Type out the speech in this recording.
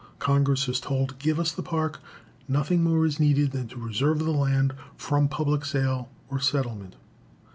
Congress was told, "Give us the Park; nothing more is needed than to reserve the land from public sale or settlement."